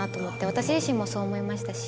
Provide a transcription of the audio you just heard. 私自身もそう思いましたし。